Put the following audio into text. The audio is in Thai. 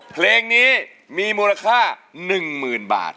เพลงนี้มีมูลค่า๑๐๐๐บาท